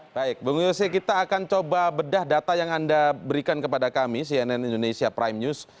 baik bung yose kita akan coba bedah data yang anda berikan kepada kami cnn indonesia prime news